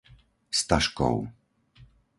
Staškov